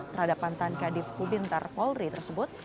terhadap mantan kadif hubin tarpolri tersebut